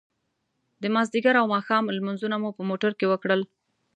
د ماذيګر او ماښام لمونځونه مو په موټر کې وکړل.